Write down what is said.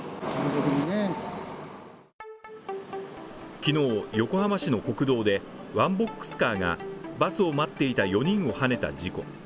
昨日、横浜市の国道で、ワンボックスカーがバスを待っていた４人をはねた事故。